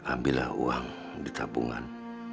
ambillah uang di tabungan